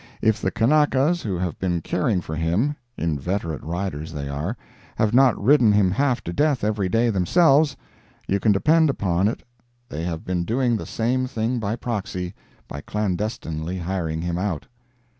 If the Kanakas who have been caring for him (inveterate riders they are) have not ridden him half to death every day themselves, you can depend upon it they have been doing the same thing by proxy, by clandestinely hiring him out.